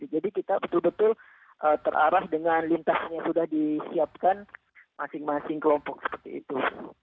jadi kita betul betul terarah dengan lintasnya sudah disiapkan masing masing kelompok seperti itu